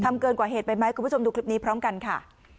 เกินกว่าเหตุไปไหมคุณผู้ชมดูคลิปนี้พร้อมกันค่ะ